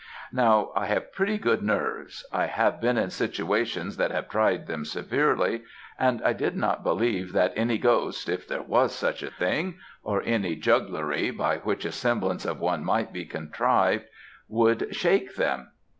Now, I have pretty good nerves I have been in situations that have tried them severely and I did not believe that any ghost, if there was such a thing, or any jugglery by which a semblance of one might be contrived, would shake them.